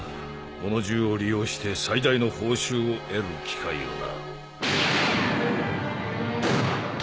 この銃を利用して最大の報酬を得る機会をな。